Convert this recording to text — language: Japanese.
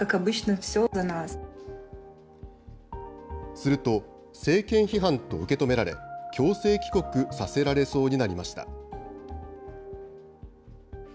すると、政権批判と受け止められ、強制帰国させられそうになりました。